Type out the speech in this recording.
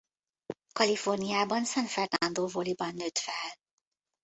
Kaliforniában San Fernando Valley-ben nőtt fel.